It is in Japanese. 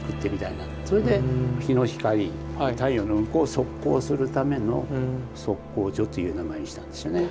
それで日の光太陽の運行を測候するための測候所という名前にしたんですよね。